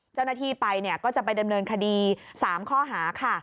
เจ้าหน้าที่ไปก็จะไปดำเนินคดี๓ข้อหาค่ะ